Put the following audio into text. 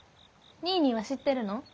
ニーニーは知ってるの？